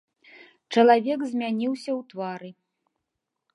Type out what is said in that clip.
Чалавек змяніўся ў твары.